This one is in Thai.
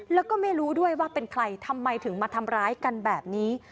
แล้วก็ไม่รู้ด้วยว่าเป็นใครทำไมถึงมาทำร้ายกันแบบนี้